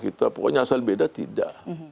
kita pokoknya asal beda tidak